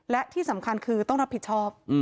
และที่สำคัญคือต้องรับผิดชอบ